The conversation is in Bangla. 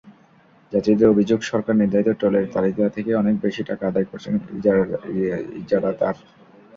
যাত্রীদের অভিযোগ, সরকার-নির্ধারিত টোলের তালিকা থেকে অনেক বেশি টাকা আদায় করছেন ইজারাদার।